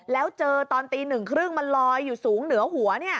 แล้วเจอตอนตีหนึ่งครึ่งมันลอยอยู่สูงเหนือหัว